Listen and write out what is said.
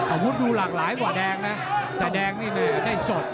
อาวุธดูหลากหลายกว่าแดงนะแต่แดงนี่ได้สด